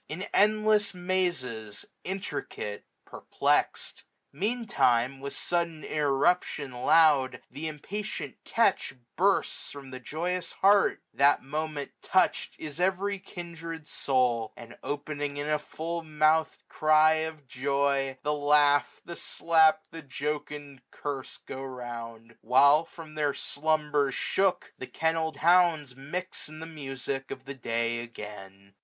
In endless mazes, intricate, perplexed. Mean time, with sudden interruption, loud, Th' impatient catch bursts from the joyous heart ; 143 A tr T U M N. That moment touched is every kindred soul j 545 And, opening in a fuU mouth'd Cry of joy. The laugh, the slap, the jocund curse go round ; While, from their slumbers shook, the kennel'd hounds Mix in the music of the day again.